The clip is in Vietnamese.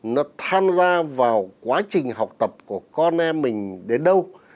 nó tham gia vào quá trình học tập của con em mình đến đâu